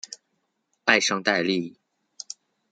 埃尚代利。